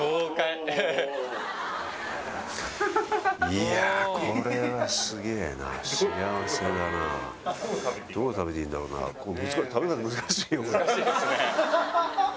いやこれはすげえな幸せだなどう食べていいんだろうな難しいですね